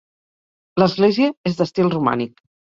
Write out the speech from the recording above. L'església és d'estil romànic.